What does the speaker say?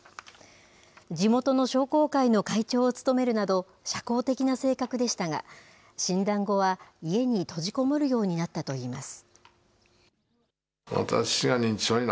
地元の商工会の会長を務めるなど、社交的な性格でしたが、診断後は家に閉じこもるようになったといいます。